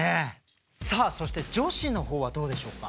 さあそして女子の方はどうでしょうか？